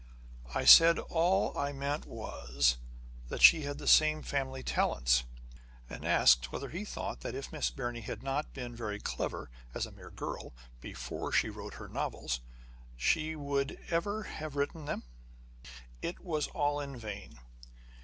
I said all I meant was, that she had the same family talents, and asked whether he thought that if Miss Biirney had not been very clever, as a mere girl, before she wrote her novels, she would ever have written them ? It was all in vain.